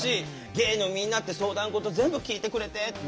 ゲイのみんなって相談事全部聞いてくれてって。